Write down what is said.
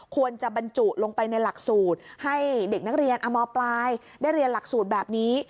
ควรจะบรรจุลงไปในหลักสูตรให้เด็กนักเรียนอมปลายได้เรียนหลักสูตรแบบนี้